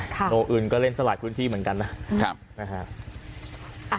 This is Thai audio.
โนอื่นก็เล่นสลายพื้นที่เหมือนกันนะ